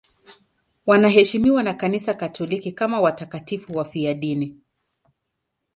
Wanaheshimiwa na Kanisa Katoliki kama watakatifu wafiadini.